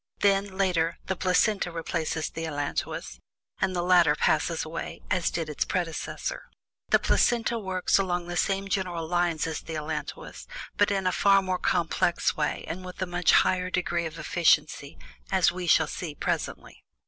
Then, later, the placenta replaces the allantois, and the latter passes away as did its predecessor. The placenta works along the same general lines as the allantois, but is a far more complex way and with a much higher degree of efficiency, as we shall see presently.